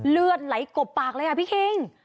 เลือดไหลกบปากเลยอ่ะพี่คิง